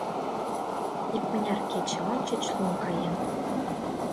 Икмыняр кече ончыч лум каен.